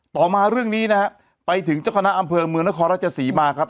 ต่อมาเรื่องนี้นะฮะไปถึงเจ้าคณะอำเภอเมืองนครราชศรีมาครับ